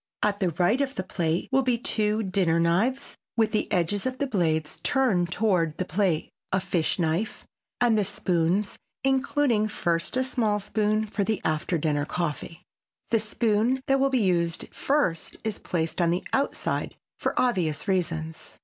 At the right of the plate will be two dinner knives with the edges of the blades turned toward the plate, a fish knife, and the spoons, including first a small spoon for the after dinner coffee. The spoon that will be used first is placed on the outside for obvious reasons.